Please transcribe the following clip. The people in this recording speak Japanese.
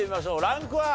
ランクは？